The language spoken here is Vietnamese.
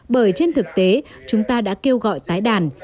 bởi trên thực tế chúng ta đã kêu gọi tái đàn